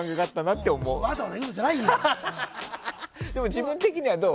自分的には、どう？